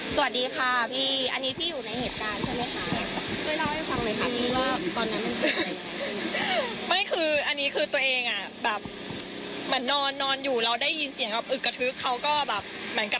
สวัสดีค่ะอันนี้พี่อยู่ในเหตุการณ์ใช่ไหมคะ